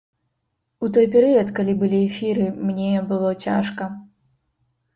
У той перыяд, калі былі эфіры, мне было цяжка.